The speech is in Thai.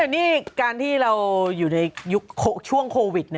นี่การที่เราอยู่ในช่วงโควิด